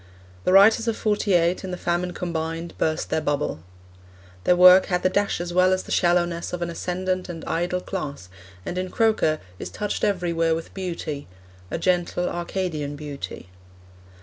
The writers of 'Forty eight, and the famine combined, burst their bubble. Their work had the dash as well as the shallowness of an ascendant and idle class, and in Croker is touched everywhere with beauty a gentle Arcadian beauty.